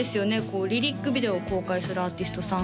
こうリリックビデオを公開するアーティストさん